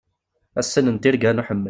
Ass-n n tirga n uḥemmel.